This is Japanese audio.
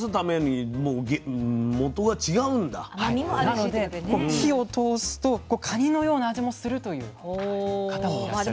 なので火を通すとカニのような味もするという方もいらっしゃるんです。